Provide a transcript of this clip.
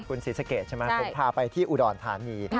คุณศรีสะเกดใช่ไหมผมพาไปที่อุดรธานี